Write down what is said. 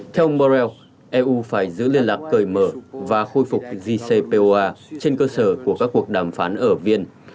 theo ông borrell eu phải giữ liên lạc cởi mở và khôi phục jcpoa trên cơ sở của các cuộc đàm phán ở viên